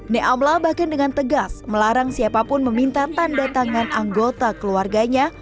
ne amla bahkan dengan tegas melarang siapapun meminta tanda tangan anggota keluarganya